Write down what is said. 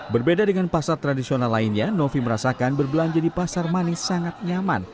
berbeda dengan pasar tradisional lainnya novi merasakan berbelanja di pasar manis sangat nyaman